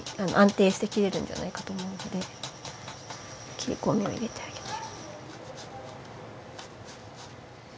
切りこみを入れてあげて。